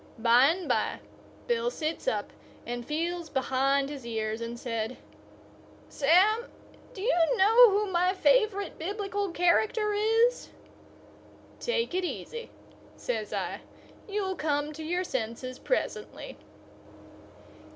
By and by, Bill sits up and feels behind his ear and says: "Sam, do you know who my favourite Biblical character is?" "Take it easy," says I. "You'll come to your senses presently."